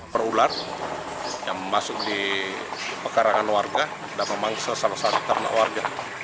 per ular yang masuk di pekarangan warga dan memangsa salah satu ternak warga